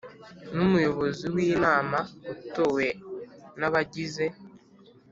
N umuyobozi w inama utowe n abagize